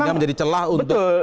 hingga menjadi celah untuk